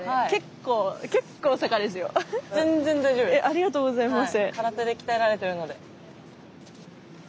ありがとうございます。